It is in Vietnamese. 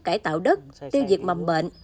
cải tạo đất tiêu diệt mầm mệnh